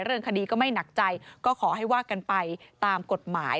เรื่องคดีก็ไม่หนักใจก็ขอให้ว่ากันไปตามกฎหมาย